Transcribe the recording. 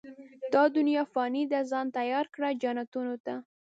دا دنيا فاني ده، ځان تيار کړه، جنتونو ته